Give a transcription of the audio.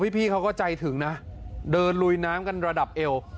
พี่เขาก็ใจถึงนะเดินลุยน้ำกันระดับเอว